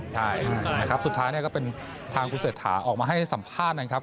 ใช่สุดท้ายก็เป็นทางคุณเศรษฐาออกมาให้สัมภาษณ์นะครับ